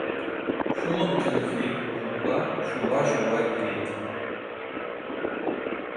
Ҫулӑм чӗлхи вулла ҫула-ҫула илет.